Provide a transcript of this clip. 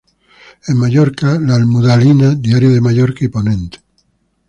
En Mallorca, "La Almudaina", "Diario de Mallorca" y "Ponent".